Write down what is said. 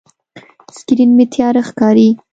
سکرین مې تیاره ښکاري.